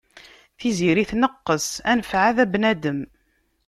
Tiziri tneqqes, anef ɛad a bnadem.